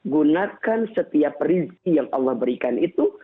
gunakan setiap rizki yang allah berikan itu